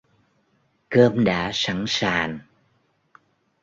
Cơm đã sẳn sàn